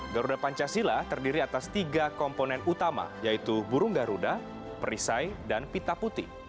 garuda pancasila terdiri atas tiga komponen utama yaitu burung garuda perisai dan pita putih